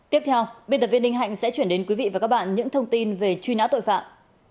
tiếp theo biên tập viên ninh hạnh sẽ chuyển đến quý vị và các bạn những thông tin về truy nã tội phạm